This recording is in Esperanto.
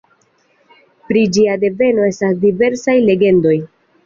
Pri ĝia deveno estas diversaj legendoj.